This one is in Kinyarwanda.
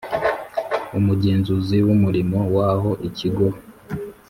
umugenzuzi w umurimo w aho ikigo